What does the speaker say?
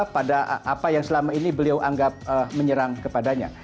pada apa yang selama ini beliau anggap menyerang kepadanya